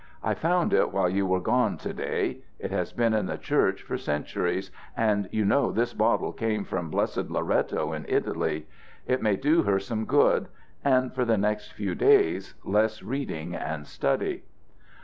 I found it while you were gone to day. It has been in the Church for centuries, and you know this bottle came from blessed Loretto in Italy. It may do her some good. And, for the next few days, less reading and study."